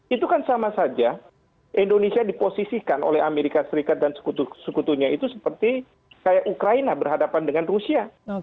itu kan sama saja indonesia diposisikan oleh amerika serikat dan sekutunya itu seperti kayak ukraina berhadapan dengan rusia